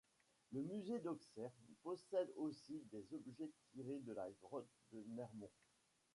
Le musée d'Auxerre possède aussi des objets tirés de la grotte de Nermont.